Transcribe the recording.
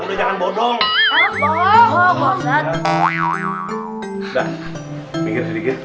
udah jangan bodoh